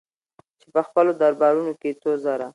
چې په خپلو دربارونو کې يې څو زره